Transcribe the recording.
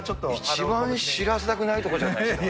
一番知らせたくないところじゃないですか。